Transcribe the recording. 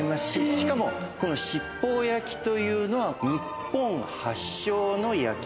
しかも七宝焼というのは日本発祥の焼き物。